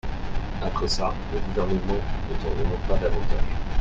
Après ça, le gouvernement ne t’en demande pas davantage.